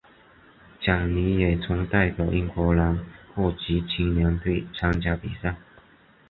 简尼也曾代表英格兰各级青年队参加比赛。